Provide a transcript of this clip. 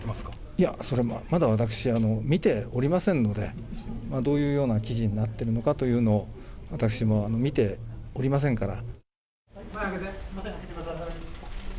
いや、それはまだ私、見ておりませんので、どういうような記事になっているのかというのを私も見ておりませんから。